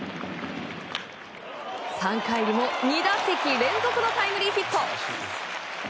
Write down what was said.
３回にも２打席連続のタイムリーヒット。